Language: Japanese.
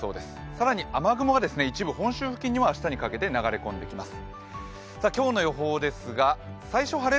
更に雨雲が一部、本州付近にも明日にかけて流れ込んできます。